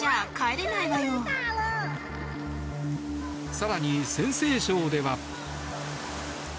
更に、陝西省では。